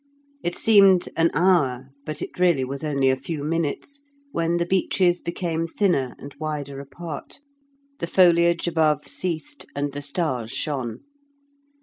It seemed an hour, but it really was only a few minutes, when the beeches became thinner and wider apart, the foliage above ceased, and the stars shone.